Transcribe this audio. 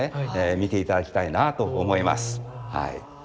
見ていただきたいなあと思います。